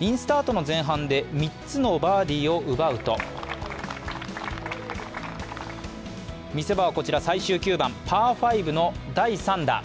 インスタートの前半で３つのバーディーを奪うと見せ場は最終９番、パー５の第３打。